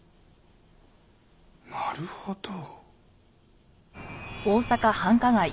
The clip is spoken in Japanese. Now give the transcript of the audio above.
なるほど。